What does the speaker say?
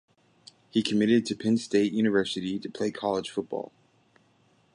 He committed to Penn State University to play college football.